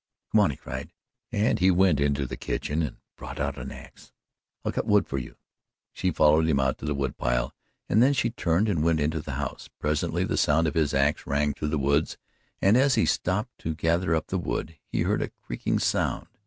"Come on!" he cried, and he went into the kitchen and brought out an axe: "I'll cut wood for you." She followed him out to the wood pile and then she turned and went into the house. Presently the sound of his axe rang through the woods, and as he stooped to gather up the wood, he heard a creaking sound.